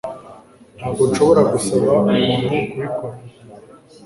Ntabwo nshobora gusaba umuntu kubikora